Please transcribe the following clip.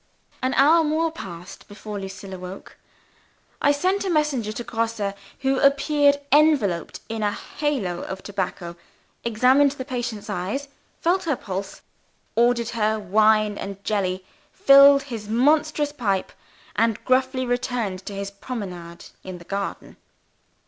An hour more passed before Lucilla woke. I sent a messenger to Grosse, who appeared enveloped in a halo of tobacco, examined the patient's eyes, felt her pulse, ordered her wine and jelly, filled his monstrous pipe, and gruffly returned to his promenade in the garden.